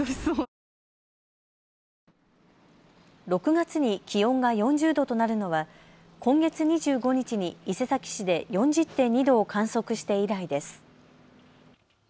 ６月に気温が４０度となるのは今月２５日に伊勢崎市で４０．２度を観測して以来です。